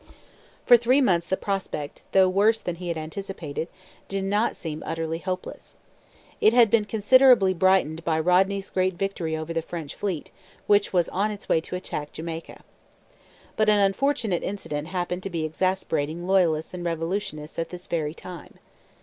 For three months the prospect, though worse than he had anticipated, did not seem utterly hopeless. It had been considerably brightened by Rodney's great victory over the French fleet which was on its way to attack Jamaica. But an unfortunate incident happened to be exasperating Loyalists and revolutionists at this very time.